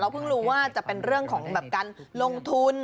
เพิ่งรู้ว่าจะเป็นเรื่องของการลงทุน